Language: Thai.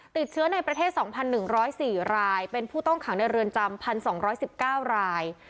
ติดเชื้อในประเทศสองพันหนึ่งร้อยสี่รายเป็นผู้ต้องขังในเรือนจำพันสองร้อยสิบเก้าราย